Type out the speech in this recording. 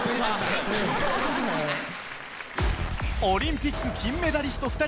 オリンピック金メダリスト